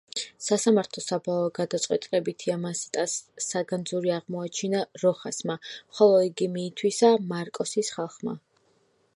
სასამართლოს საბოლოო გადაწყვეტილებით „იამასიტას საგანძური აღმოაჩინა როხასმა, ხოლო იგი მიითვისა მარკოსის ხალხმა“.